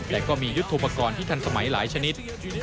แต่ก็มียุทธโปรกรณ์ที่ทันสมัยหลายชนิด